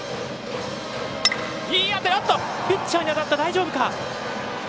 ピッチャーに当たった、大丈夫か。